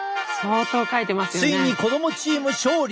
ついに子どもチーム勝利！